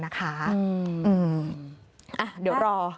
เดี๋ยวรอ